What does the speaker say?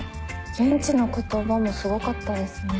現地の言葉もすごかったですね